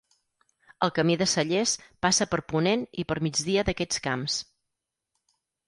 El Camí de Cellers passa per ponent i per migdia d'aquests camps.